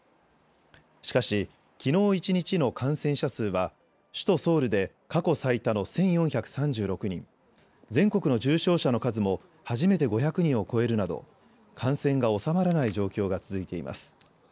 しかし、きのう一日の感染者数は、首都ソウルで過去最多の１４３６人、全国の重症者の数も初めて５００人を超えるなど、感染が収まらない状況が続いています。